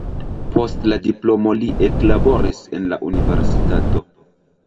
Post la diplomo li eklaboris en la universitato.